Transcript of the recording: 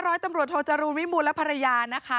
ร้อยตำรวจโทจรูลวิมูลและภรรยานะคะ